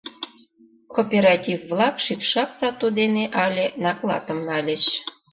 Кооператив-влак шӱкшак сату дене але наклатым нальыч.